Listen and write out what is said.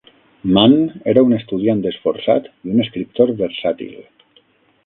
Mann era un estudiant esforçat i un escriptor versàtil.